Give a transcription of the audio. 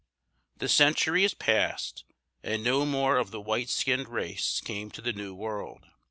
The centuries passed, and no more of the white skinned race came to the New World.